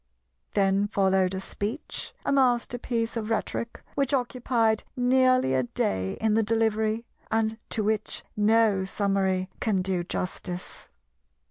Then followed a speech, a masterpiece of rhetoric, which occupied nearly a day in the delivery, and to which no summary can do justice.